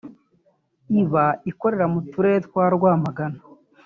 ikaba ikorera mu turere twa Rwamagana